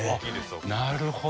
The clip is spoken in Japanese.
なるほど。